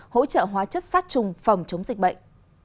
hỗ trợ hóa chất sát trùng phòng chống dịch bệnh